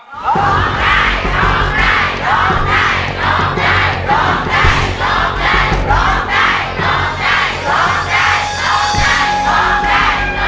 โด่งใจโด่งใจโด่งใจโด่งใจโด่งใจโด่งใจ